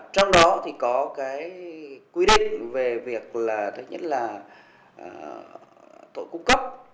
trong đó thì có quy định về việc thứ nhất là tội cung cấp